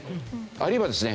あるいはですね